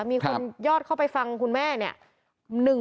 มีคนยอดเข้าไปฟังคุณแม่เนี่ย